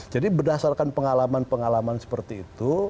jadi berdasarkan pengalaman pengalaman seperti itu